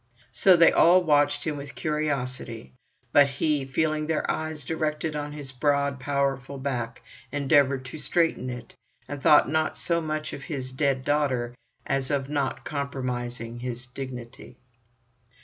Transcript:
So they all watched him with curiosity, but he, feeling their eyes directed on his broad powerful back, endeavoured to straighten it, and thought not so much of his dead daughter as of not compromising his dignity.